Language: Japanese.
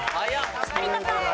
有田さん。